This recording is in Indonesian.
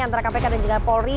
antara kpk dan juga polri